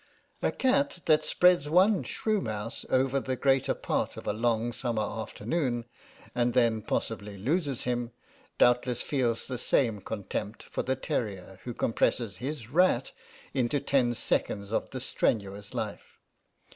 A cat that spreads one shrew mouse over the greater part of a long summer afternoon, and then possibly loses him, doubtless feels the same contempt for the terrier who compresses his rat into ten seconds of the strenuous life.